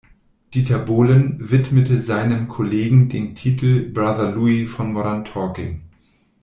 Dieter Bohlen widmete seinem Kollegen den Titel "Brother Louie" von Modern Talking.